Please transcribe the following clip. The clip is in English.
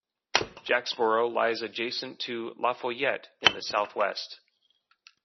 Jacksboro lies adjacent to LaFollette to the southwest.